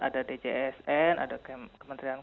ada djsn ada kementerian